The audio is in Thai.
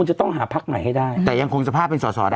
จะต้องหาพักใหม่ให้ได้แต่ยังคงสภาพเป็นสอสอได้